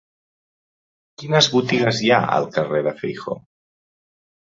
Quines botigues hi ha al carrer de Feijoo?